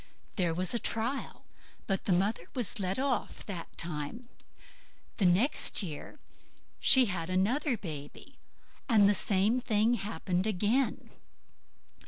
There was a trial, but the mother was let off that time. Next year she had another baby, and the same thing happened again.